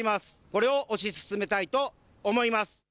これを推し進めたいと思います。